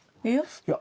いや。